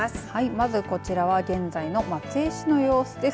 まずこちらは現在の松江市の様子です。